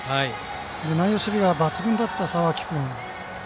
内野守備が抜群だった佐脇君。